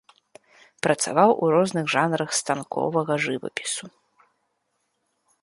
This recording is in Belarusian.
Працаваў у розных жанрах станковага жывапісу.